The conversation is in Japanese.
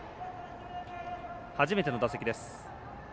初めての打席です。